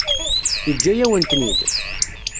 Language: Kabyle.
Yeǧǧa-yawen-ten-id?